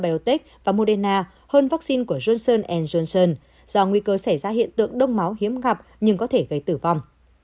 biotek và moderna hơn vaccine của j j do nguy cơ xảy ra hiện tượng đông máu hiếm gặp nhưng có thể gây tử vong